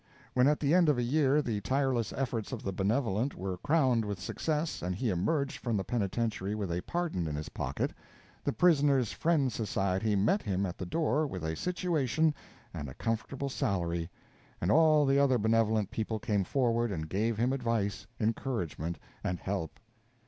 When, at the end of a year, the tireless efforts of the benevolent were crowned with success, and he emerged from the penitentiary with a pardon in his pocket, the Prisoner's Friend Society met him at the door with a situation and a comfortable salary, and all the other benevolent people came forward and gave him advice, encouragement and help.